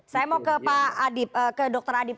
saya mau ke pak adip ke dokter adip